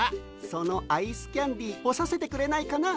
そのアイスキャンデーほさせてくれないかな。